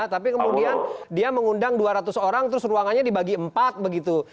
tapi kemudian dia mengundang dua ratus orang terus ruangannya dibagi empat begitu